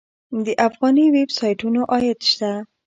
د افغاني ویب سایټونو عاید شته؟